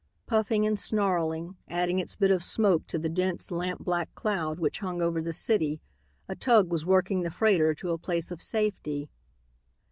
Puffing and snarling, adding its bit of smoke to the dense, lampblack cloud which hung over the city, a tug was working the freighter to a place of safety.